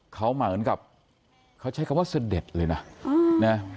เขาเหมือนกับเขาใช้คำว่าเสด็จเลยนะ